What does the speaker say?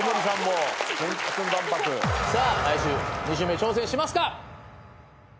さあ来週２週目挑戦しますか？